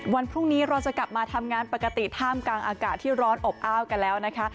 วันพรุ่งนี้เราจะกลับมาทำงานปกติท่ามกลางอากาศที่ร้อนอบอ้าวกันแล้วนะคะ